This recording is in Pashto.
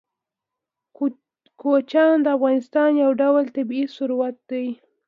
کوچیان د افغانستان یو ډول طبعي ثروت دی.